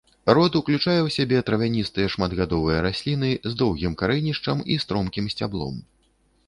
Род уключае ў сябе травяністыя шматгадовыя расліны з доўгім карэнішчам і стромкім сцяблом.